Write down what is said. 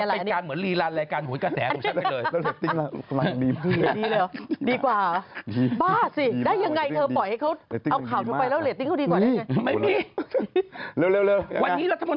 รัฐมนตรีว่าการกระทรวงธุรกิจธรรม